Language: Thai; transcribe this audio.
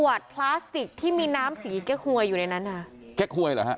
พลาสติกที่มีน้ำสีเก๊กหวยอยู่ในนั้นฮะเก๊กหวยเหรอฮะ